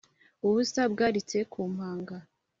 ubusa bwaritse ku manga,